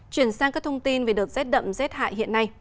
chuyển sang các thông tin về đợt rét đậm rét hại hiện nay